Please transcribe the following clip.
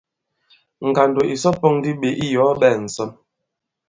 Ngàndò ìsɔ pɔ̄n ndi ɓě iyɔ̀ɔ ɓɛ̄ɛ ŋ̀sɔnl.